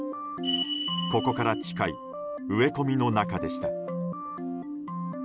ここから近い植え込みの中でした。